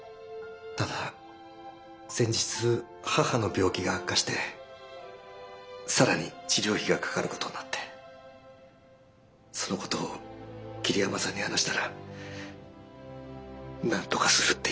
ただ先日母の病気が悪化して更に治療費がかかることになってそのことを桐山さんに話したらなんとかするって言ってくれて。